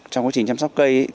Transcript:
trong quá trình chăm sóc cây